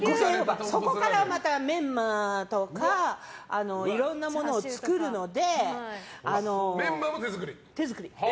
そこから、またメンマとかいろんなものを作るので。